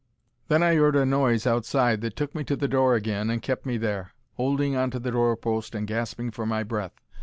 Then I 'eard a noise outside that took me to the door agin and kept me there, 'olding on to the door post and gasping for my breath.